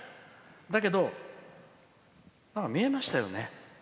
だけど、見えましたよね。